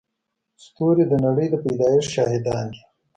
ستوري د نړۍ د پيدایښت شاهدان دي.